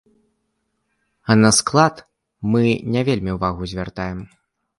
А на склад мы не вельмі ўвагу звяртаем.